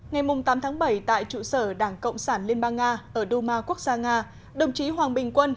ngày tám tháng bảy tại trụ sở đảng cộng sản liên bang nga ở duma quốc gia nga đồng chí hoàng bình quân